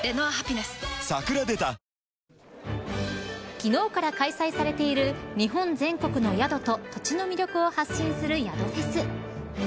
昨日から開催されている日本全国の宿と土地の魅力を発信する宿フェス。